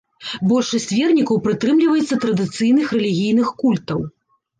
Большасць вернікаў прытрымліваецца традыцыйных рэлігійных культаў.